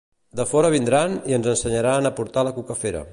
De fora vindran i ens ensenyaran a portar la cucafera.